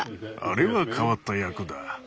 あれは変わった役だ。